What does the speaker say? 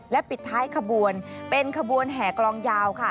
ปิดท้ายขบวนเป็นขบวนแห่กลองยาวค่ะ